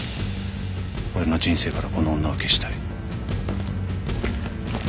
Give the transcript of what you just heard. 俺の人生からこの女を消したい。